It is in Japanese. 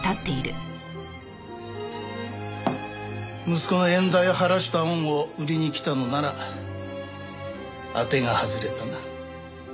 息子の冤罪を晴らした恩を売りに来たのなら当てが外れたな。